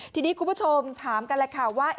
ทีนี้คุณผู้ชมถามกันแหละค่ะว่า